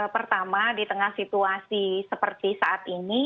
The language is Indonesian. pertama di tengah situasi seperti saat ini